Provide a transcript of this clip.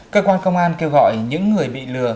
cơ quan công an kêu gọi những người bị lừa